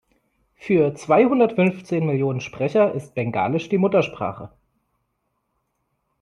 Für zweihundertfünfzehn Millionen Sprecher ist Bengalisch die Muttersprache.